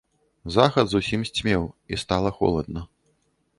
Захад зусім сцьмеў, і стала холадна.